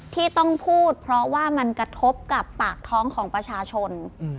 ที่ต้องพูดเพราะว่ามันกระทบกับปากท้องของประชาชน